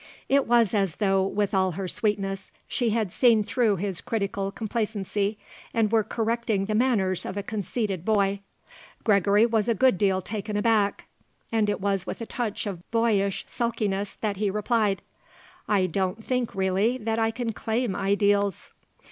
It was as though, with all her sweetness, she had seen through his critical complacency and were correcting the manners of a conceited boy. Gregory was a good deal taken aback. And it was with a touch of boyish sulkiness that he replied: "I don't think, really, that I can claim ideals."